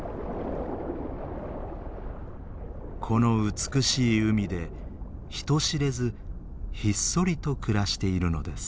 この美しい海で人知れずひっそりと暮らしているのです。